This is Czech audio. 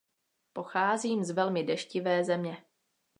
Pocházím z velmi deštivé země.